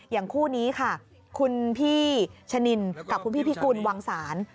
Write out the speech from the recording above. อย่างคู่นี้ค่ะคุณพี่ชนินกับคุณพี่พี่กุลวางสาร